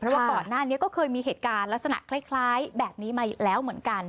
ว่าก่อนหน้านี้ก็เคยมีเหตุการณ์ลักษณะคล้ายแบบนี้มาแล้วเหมือนกัน